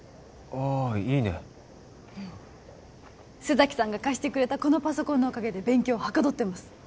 ああいいねうん須崎さんが貸してくれたこのパソコンのおかげで勉強はかどってます